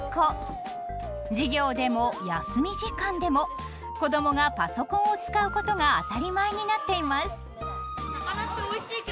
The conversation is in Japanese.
授業でも休み時間でも子供がパソコンを使うことが当たり前になっています。